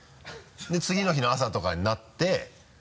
で次の日の朝とかになって。